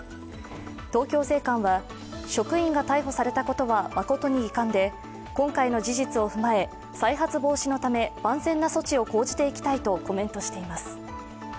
東京税関は、職員が逮捕されたことは誠に遺憾で今回の事実を踏まえ、再発防止のため万全な措置を講じていきたいとコメントしています。